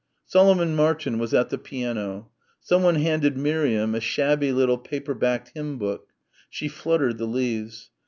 Solomon Martin was at the piano. Someone handed Miriam a shabby little paper backed hymn book. She fluttered the leaves.